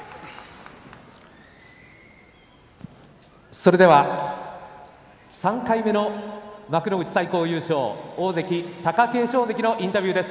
それでは３回目の幕内最高優勝大関貴景勝関のインタビューです。